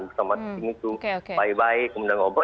bersama tim itu baik baik kemudian ngobrol